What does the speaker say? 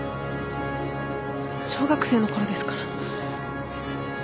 小学生のころですから